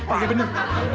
oh ya bener